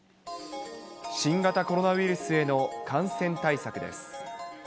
新型コロナウイルスへの感染対策です。